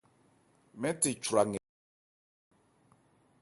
Mɛ́n the chwra nkɛ.